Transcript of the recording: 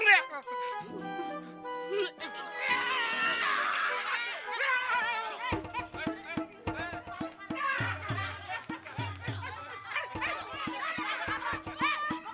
bawah kagak kagak gue pengen lebaran